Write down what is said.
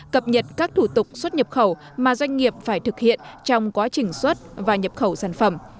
cập nhật các thủ tục xuất nhập khẩu mà doanh nghiệp phải thực hiện trong quá trình xuất và nhập khẩu sản phẩm